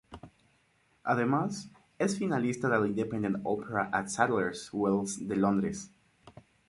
Además, es finalista del Independent Opera at Sadler's Wells de Londres.